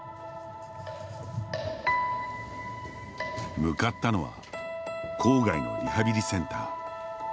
向かったのは郊外のリハビリセンター。